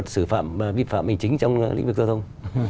sử phạm vi phạm hình chính trong lĩnh vực giao thông